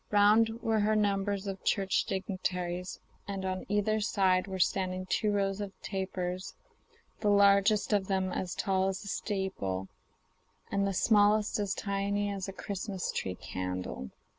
Round her were numbers of Church dignitaries, and on either side were standing two rows of tapers, the largest of them as tall as a steeple, and the smallest as tiny as a Christmas tree candle.